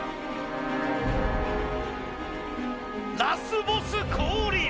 ラスボス降臨！